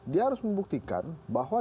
dia harus membuktikan bahwa